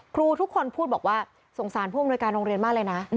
ครูทุกคนพูดบอกว่าสงสารผู้อำนวยการโรงเรียนมากเลยนะ